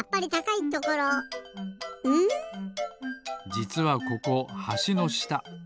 じつはここはしのした。